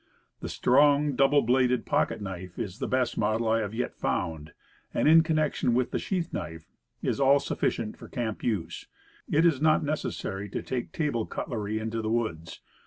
The strong double bladed pocket knife is the best model I have yet found, and, in connection with the sheath knife, is all sufficient for camp use. It is not necessary to take table cutlery into the woods.